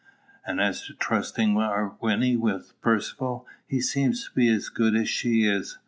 And as to trusting our Wynnie with Percivale, he seems to be as good as she is.